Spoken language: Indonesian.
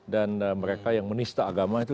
dan mereka yang menista agama itu